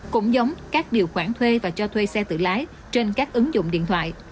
cũng giống các điều khoản thuê và cho thuê xe tự lái trên các ứng dụng điện thoại